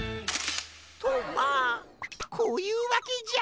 とまあこういうわけじゃ。